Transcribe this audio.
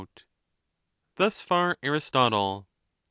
Thus far Aristotle.